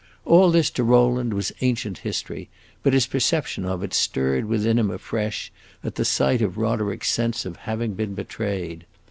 All this, to Rowland, was ancient history, but his perception of it stirred within him afresh, at the sight of Roderick's sense of having been betrayed.